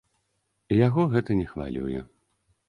Яго гэта не хвалюе.